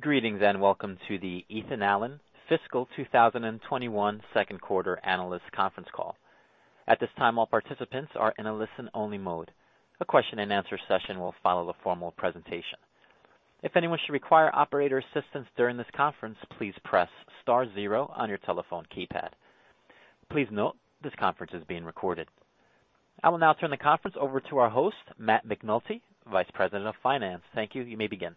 Greetings, and welcome to the Ethan Allen fiscal 2021 second quarter analyst conference call. At this time, all participants are in a listen-only mode. A question-and-answer session will follow the formal presentation. If anyone should require operator assistance during this conference, please press star zero on your telephone keypad. Please note this conference is being recorded. I will now turn the conference over to our host, Matt McNulty, Vice President of Finance. Thank you. You may begin.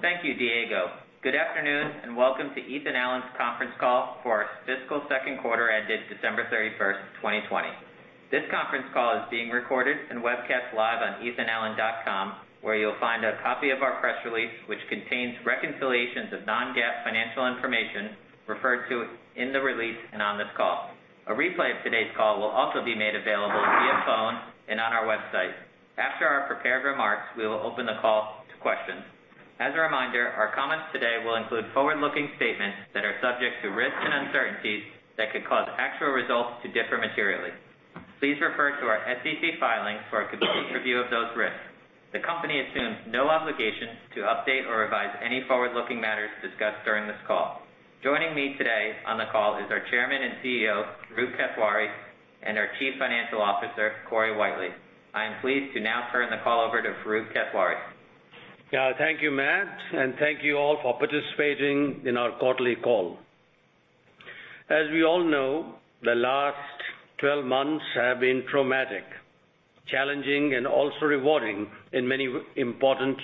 Thank you, Diego. Good afternoon, and welcome to Ethan Allen's conference call for our fiscal second quarter ended December 31st, 2020. This conference call is being recorded and webcast live on ethanallen.com, where you'll find a copy of our press release, which contains reconciliations of non-GAAP financial information referred to in the release and on this call. A replay of today's call will also be made available via phone and on our website. After our prepared remarks, we will open the call to questions. As a reminder, our comments today will include forward-looking statements that are subject to risks and uncertainties that could cause actual results to differ materially. Please refer to our SEC filings for a complete review of those risks. The company assumes no obligation to update or revise any forward-looking matters discussed during this call. Joining me today on the call is our Chairman and CEO, Farooq Kathwari, and our Chief Financial Officer, Corey Whitely. I am pleased to now turn the call over to Farooq Kathwari. Thank you, Matt, and thank you all for participating in our quarterly call. As we all know, the last 12 months have been traumatic, challenging, and also rewarding in many important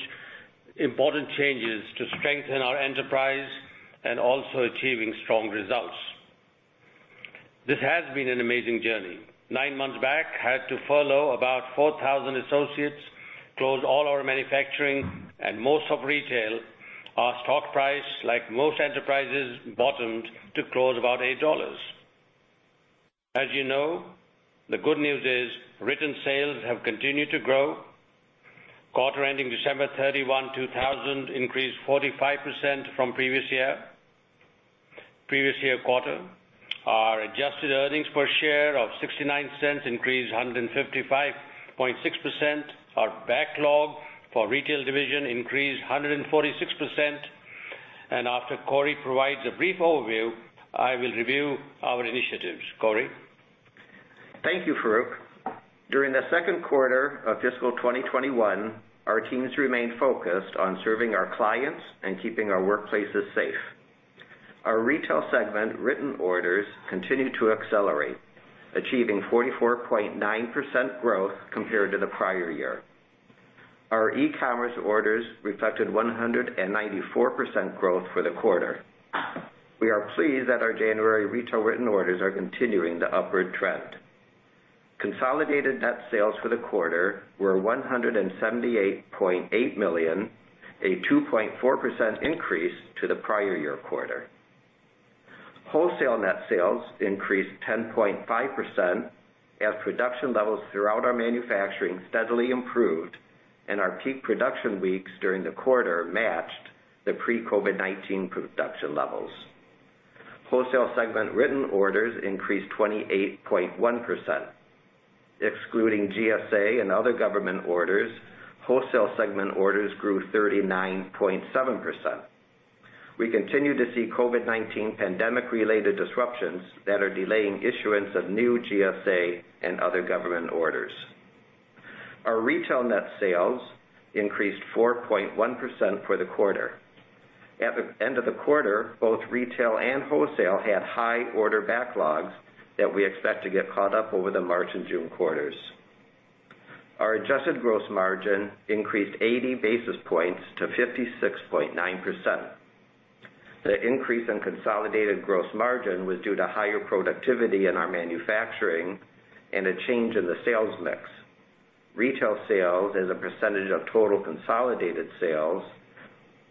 changes to strengthen our enterprise and also achieving strong results. This has been an amazing journey. Nine months back, had to furlough about 4,000 associates, close all our manufacturing and most of Retail. Our stock price, like most enterprises, bottomed to close about $8. As you know, the good news is written sales have continued to grow. Quarter ending December 31, 2000, increased 45% from previous year quarter. Our adjusted earnings per share of $0.69 increased 155.6%. Our backlog for Retail division increased 146%. After Corey provides a brief overview, I will review our initiatives. Corey? Thank you, Farooq. During the second quarter of fiscal 2021, our teams remained focused on serving our clients and keeping our workplaces safe. Our Retail segment written orders continued to accelerate, achieving 44.9% growth compared to the prior year. Our e-commerce orders reflected 194% growth for the quarter. We are pleased that our January Retail written orders are continuing the upward trend. Consolidated net sales for the quarter were $178.8 million, a 2.4% increase to the prior year quarter. Wholesale net sales increased 10.5% as production levels throughout our manufacturing steadily improved, and our peak production weeks during the quarter matched the pre-COVID-19 production levels. Wholesale segment written orders increased 28.1%. Excluding GSA and other government orders, Wholesale segment orders grew 39.7%. We continue to see COVID-19 pandemic-related disruptions that are delaying issuance of new GSA and other government orders. Our Retail net sales increased 4.1% for the quarter. At the end of the quarter, both Retail and Wholesale had high order backlogs that we expect to get caught up over the March and June quarters. Our adjusted gross margin increased 80 basis points to 56.9%. The increase in consolidated gross margin was due to higher productivity in our manufacturing and a change in the sales mix. Retail sales as a percentage of total consolidated sales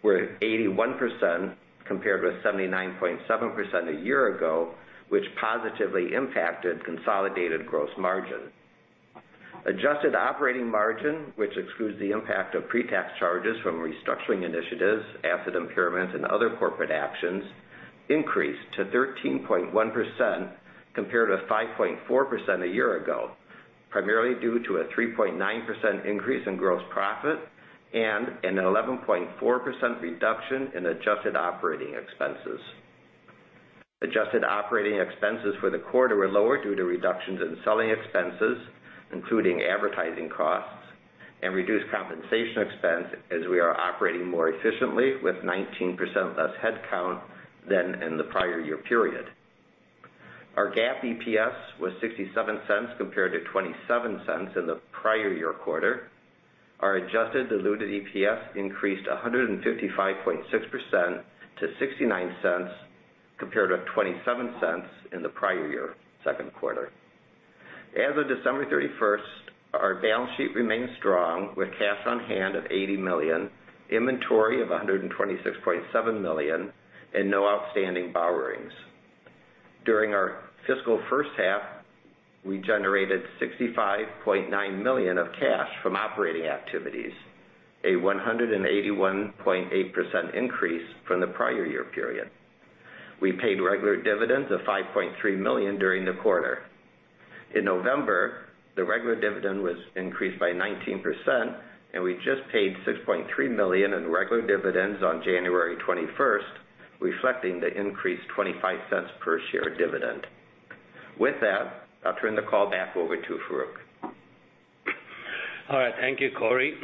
were 81% compared with 79.7% a year ago, which positively impacted consolidated gross margin. Adjusted operating margin, which excludes the impact of pre-tax charges from restructuring initiatives, asset impairments, and other corporate actions, increased to 13.1% compared to 5.4% a year ago, primarily due to a 3.9% increase in gross profit and an 11.4% reduction in adjusted operating expenses. Adjusted operating expenses for the quarter were lower due to reductions in selling expenses, including advertising costs and reduced compensation expense, as we are operating more efficiently with 19% less headcount than in the prior year period. Our GAAP EPS was $0.67 compared to $0.27 in the prior year quarter. Our adjusted diluted EPS increased 155.6% to $0.69 compared with $0.27 in the prior year second quarter. As of December 31st, our balance sheet remains strong with cash on hand of $80 million, inventory of $126.7 million and no outstanding borrowings. During our fiscal first half, we generated $65.9 million of cash from operating activities, a 181.8% increase from the prior year period. We paid regular dividends of $5.3 million during the quarter. In November, the regular dividend was increased by 19%. We just paid $6.3 million in regular dividends on January 21st, reflecting the increased $0.25 per share dividend. With that, I'll turn the call back over to Farooq. All right, thank you, Corey.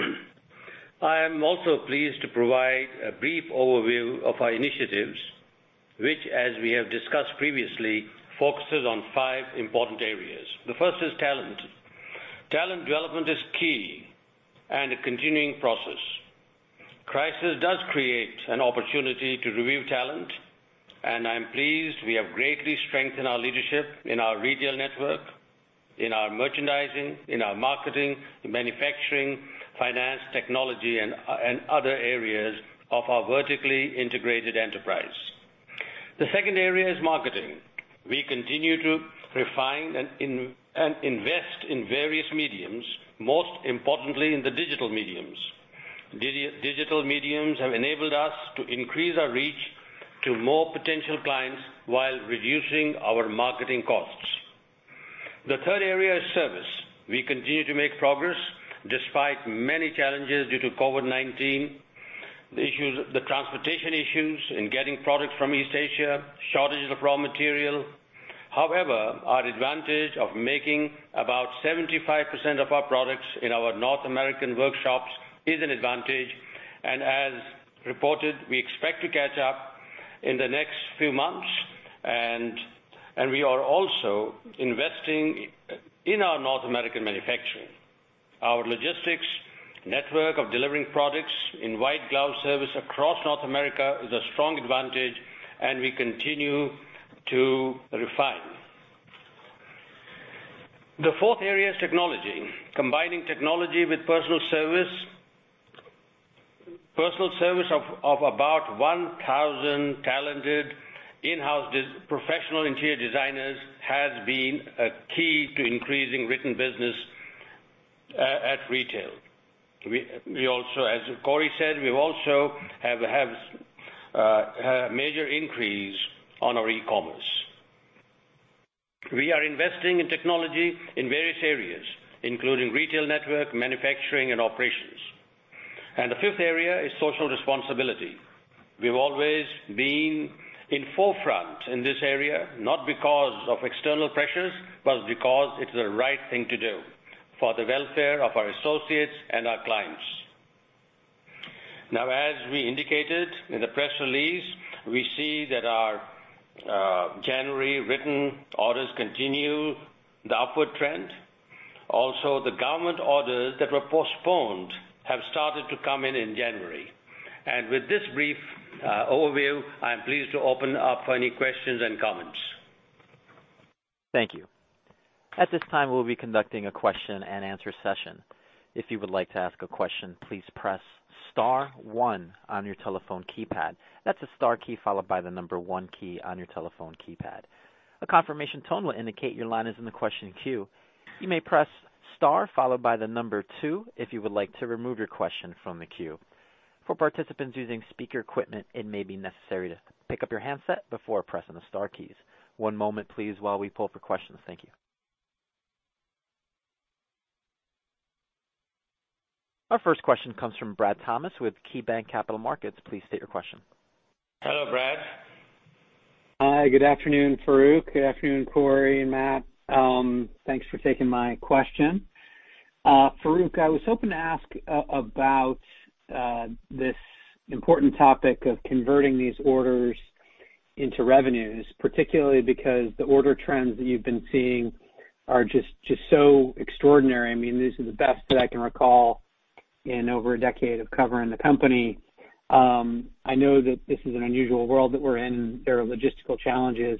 I am also pleased to provide a brief overview of our initiatives, which, as we have discussed previously, focuses on five important areas. The first is talent. Talent development is key and a continuing process. Crisis does create an opportunity to review talent, and I'm pleased we have greatly strengthened our leadership in our Retail network, in our merchandising, in our marketing, manufacturing, finance, technology, and other areas of our vertically integrated enterprise. The second area is marketing. We continue to refine and invest in various mediums, most importantly in the digital mediums. Digital mediums have enabled us to increase our reach to more potential clients while reducing our marketing costs. The third area is service. We continue to make progress despite many challenges due to COVID-19, the transportation issues in getting products from East Asia, shortages of raw material. However, our advantage of making about 75% of our products in our North American workshops is an advantage, and as reported, we expect to catch up in the next few months, and we are also investing in our North American manufacturing. Our logistics network of delivering products in white glove service across North America is a strong advantage, and we continue to refine. The fourth area is technology. Combining technology with personal service of about 1,000 talented in-house professional interior designers has been a key to increasing written business at Retail. As Corey said, we also have had a major increase on our e-commerce. We are investing in technology in various areas, including Retail network, manufacturing, and operations. The fifth area is social responsibility. We've always been in forefront in this area, not because of external pressures, but because it's the right thing to do for the welfare of our associates and our clients. Now, as we indicated in the press release, we see that our January written orders continue the upward trend. Also, the government orders that were postponed have started to come in in January. With this brief overview, I'm pleased to open up for any questions and comments. Thank you. At this time we will be conducting a question-and-answer session. If you would like to ask a question, please press star one on your telephone keypad. That's a star key followed by the number one key on your telephone keypad. A confirmation tone wil indicate your line is in the question queue. You may press star followed by the number two if you would like to remove your question from the queue. For participants using speaker equipment, it may be necessary to pick up your handset before pressing the star key. One moment please while we pull up for questions. Thank you. Our first question comes from Brad Thomas with KeyBanc Capital Markets. Please state your question. Hello, Brad. Hi, good afternoon, Farooq. Good afternoon, Corey and Matt. Thanks for taking my question. Farooq, I was hoping to ask about this important topic of converting these orders into revenues, particularly because the order trends that you've been seeing are just so extraordinary. These are the best that I can recall in over a decade of covering the company. I know that this is an unusual world that we're in. There are logistical challenges.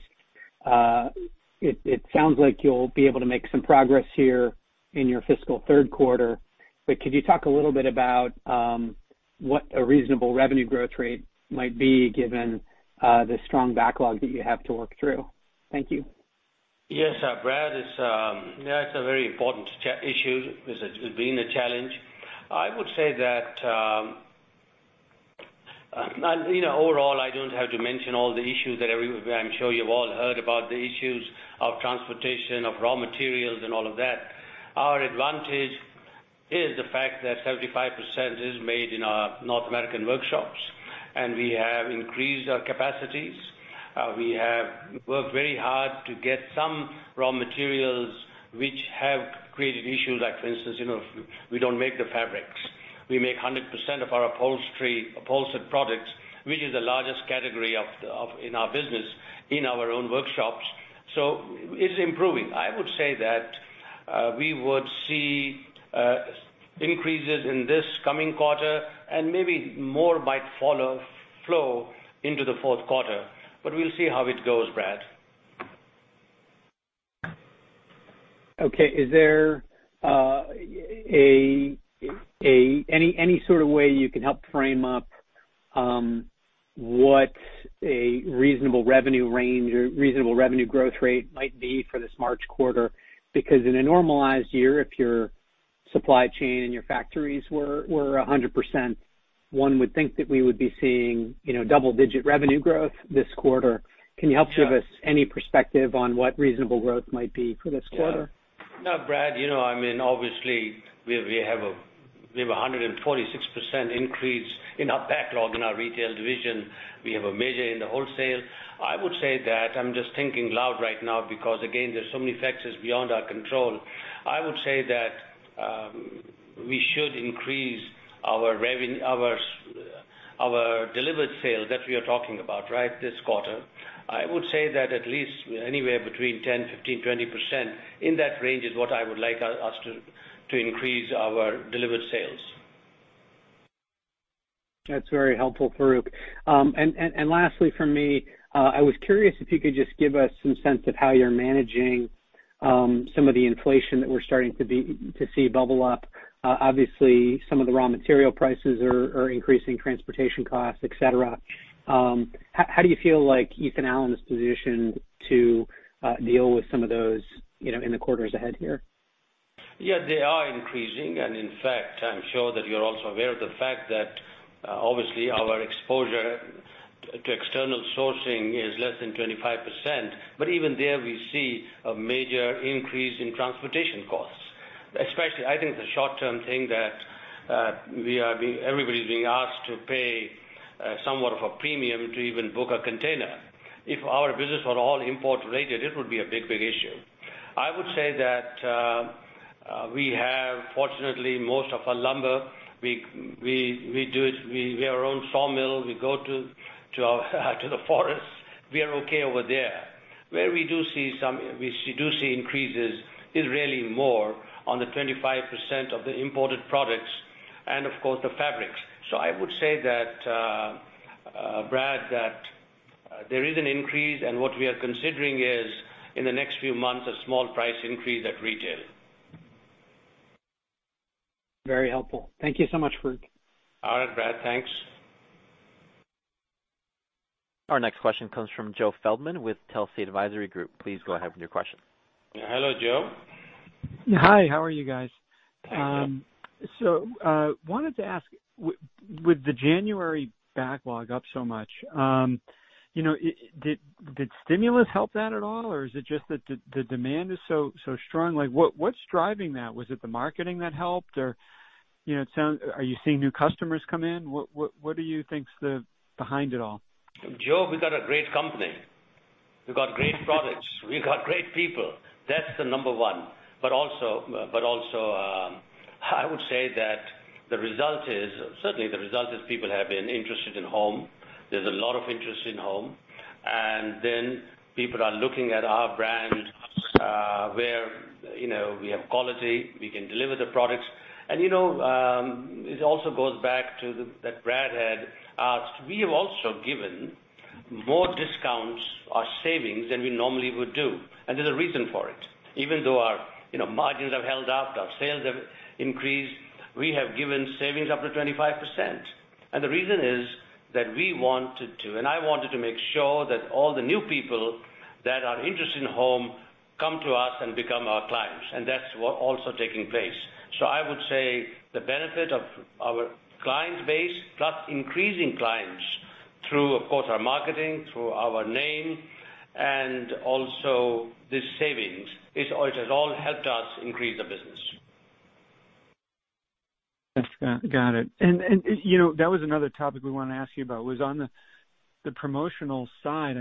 It sounds like you'll be able to make some progress here in your fiscal third quarter. Could you talk a little bit about what a reasonable revenue growth rate might be given the strong backlog that you have to work through? Thank you. Yes, Brad. That's a very important issue. It's been a challenge. I would say that overall, I don't have to mention all the issues that I'm sure you've all heard about, the issues of transportation, of raw materials, and all of that. Our advantage is the fact that 75% is made in our North American workshops. We have increased our capacities. We have worked very hard to get some raw materials which have created issues. Like for instance, we don't make the fabrics. We make 100% of our upholstered products, which is the largest category in our business, in our own workshops. It's improving. I would say that we would see increases in this coming quarter. Maybe more might follow flow into the fourth quarter. We'll see how it goes, Brad. Okay. Is there any sort of way you can help frame up what a reasonable revenue range or reasonable revenue growth rate might be for this March quarter because in a normalized year, if your supply chain and your factories were 100%. One would think that we would be seeing double-digit revenue growth this quarter. Yeah. Can you help give us any perspective on what reasonable growth might be for this quarter? Yeah. Brad, obviously, we have a 146% increase in our backlog in our Retail division. We have a major in the Wholesale. I would say that I'm just thinking loud right now because, again, there's so many factors beyond our control. I would say that we should increase our delivered sales that we are talking about this quarter. I would say that at least anywhere between 10%, 15%, 20%, in that range is what I would like us to increase our delivered sales. That's very helpful, Farooq. Lastly from me, I was curious if you could just give us some sense of how you're managing some of the inflation that we're starting to see bubble up. Obviously, some of the raw material prices are increasing, transportation costs, etc. How do you feel like Ethan Allen is positioned to deal with some of those in the quarters ahead here? Yeah, they are increasing, and in fact, I'm sure that you're also aware of the fact that obviously our exposure to external sourcing is less than 25%. Even there, we see a major increase in transportation costs. Especially, I think the short-term thing that everybody's being asked to pay somewhat of a premium to even book a container. If our business were all import-related, it would be a big, big issue. I would say that we have, fortunately, most of our lumber, we own our own sawmill. We go to the forests. We are okay over there. Where we do see increases is really more on the 25% of the imported products and of course, the fabrics. I would say that, Brad, that there is an increase, and what we are considering is, in the next few months, a small price increase at Retail. Very helpful. Thank you so much, Farooq. All right, Brad. Thanks. Our next question comes from Joe Feldman with Telsey Advisory Group. Please go ahead with your question. Hello, Joe. Hi, how are you guys? Hi, Joe. Wanted to ask, with the January backlog up so much, did stimulus help that at all, or is it just that the demand is so strong? What's driving that? Was it the marketing that helped? Are you seeing new customers come in? What do you think's behind it all? Joe, we got a great company. We got great products. We got great people. That's the number one. Also, I would say that certainly the result is people have been interested in home. There's a lot of interest in home. Then people are looking at our brand, where we have quality, we can deliver the products. It also goes back to that Brad had asked. We have also given more discounts or savings than we normally would do, and there's a reason for it. Even though our margins have held up, our sales have increased, we have given savings up to 25%. The reason is that we wanted to, and I wanted to make sure that all the new people that are interested in home come to us and become our clients. That's also taking place. I would say the benefit of our client base, plus increasing clients through, of course, our marketing, through our name, and also the savings, it has all helped us increase the business. Yes. Got it. That was another topic we wanted to ask you about, was on the promotional side.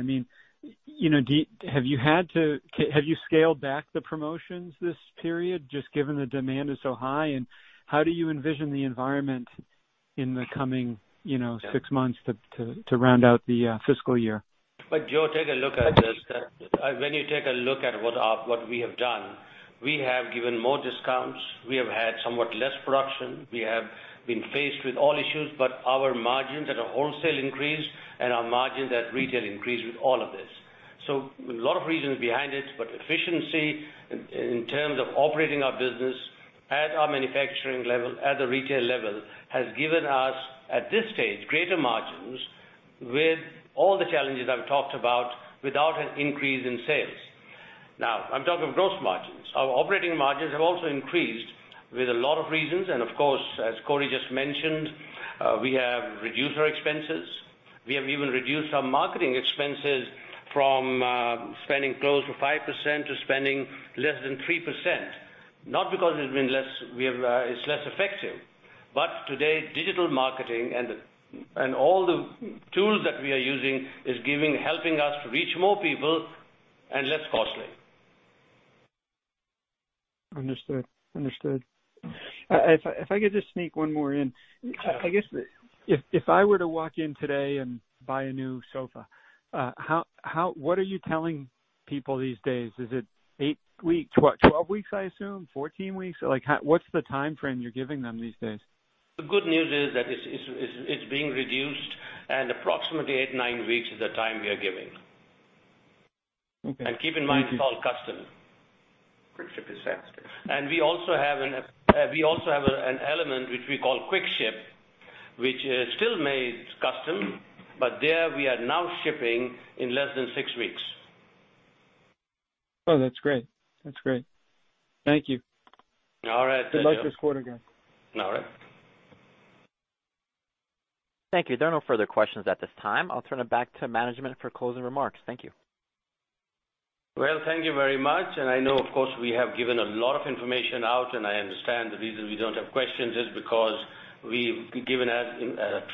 Have you scaled back the promotions this period, just given the demand is so high? How do you envision the environment in the coming six months to round out the fiscal year? Joe, take a look at this. When you take a look at what we have done, we have given more discounts, we have had somewhat less production, we have been faced with all issues, but our margins at a Wholesale increase and our margins at Retail increase with all of this. A lot of reasons behind it, but efficiency in terms of operating our business at our manufacturing level, at the Retail level, has given us, at this stage, greater margins with all the challenges I've talked about, without an increase in sales. Now, I'm talking of gross margins. Our operating margins have also increased with a lot of reasons, and of course, as Corey just mentioned, we have reduced our expenses. We have even reduced our marketing expenses from spending close to 5% to spending less than 3%. Not because it's less effective, but today, digital marketing and all the tools that we are using is helping us reach more people and less costly. Understood. If I could just sneak one more in. Sure. If I were to walk in today and buy a new sofa, what are you telling people these days? Is it eight weeks, what, 12 weeks, I assume? 14 weeks? What's the timeframe you're giving them these days? The good news is that it's being reduced, and approximately eight, nine weeks is the time we are giving. Okay. Keep in mind, it's all custom. Quickship is faster. We also have an element which we call Quickship, which is still made custom, but there we are now shipping in less than six weeks. Oh, that's great. Thank you. All right. Thank you. Good luck this quarter, guys. All right. Thank you. There are no further questions at this time. I'll turn it back to management for closing remarks. Thank you. Well, thank you very much. I know, of course, we have given a lot of information out, and I understand the reason we don't have questions is because we've given out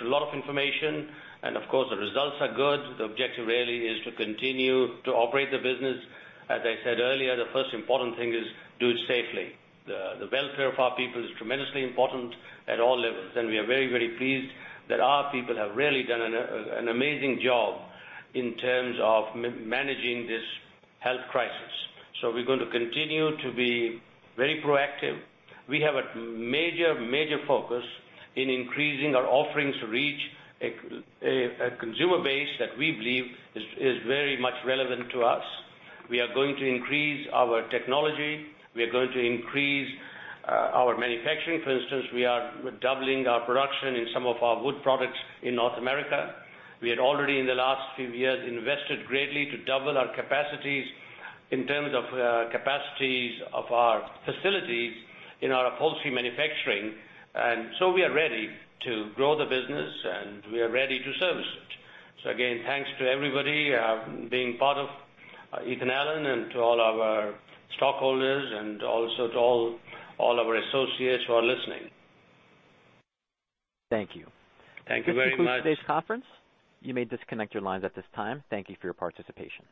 a lot of information, and of course, the results are good. The objective really is to continue to operate the business. As I said earlier, the first important thing is do it safely. The welfare of our people is tremendously important at all levels, and we are very, very pleased that our people have really done an amazing job in terms of managing this health crisis. We're going to continue to be very proactive. We have a major focus in increasing our offerings to reach a consumer base that we believe is very much relevant to us. We are going to increase our technology. We are going to increase our manufacturing. For instance, we are doubling our production in some of our wood products in North America. We had already, in the last few years, invested greatly to double our capacities in terms of capacities of our facilities in our upholstery manufacturing. We are ready to grow the business, and we are ready to service it. Again, thanks to everybody being part of Ethan Allen and to all of our stockholders and also to all our associates who are listening. Thank you. Thank you very much. This concludes today's conference. You may disconnect your lines at this time. Thank you for your participation.